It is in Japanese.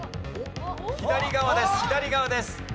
左側です左側です。